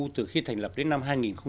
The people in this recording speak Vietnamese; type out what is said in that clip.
từ khi thành lập đến năm hai nghìn một mươi